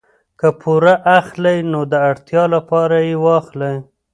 که پور اخلئ نو د اړتیا لپاره یې واخلئ.